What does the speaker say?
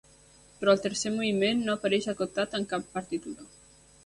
Però el tercer moviment no apareix acotat en cap partitura.